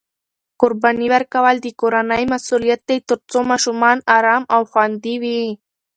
قرباني ورکول د کورنۍ مسؤلیت دی ترڅو ماشومان ارام او خوندي وي.